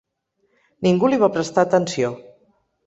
Ningú li va prestar atenció.